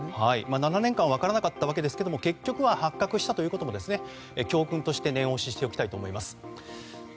７年間分からなかったわけですが結局は発覚したということも教訓として念押ししておきたいと思います。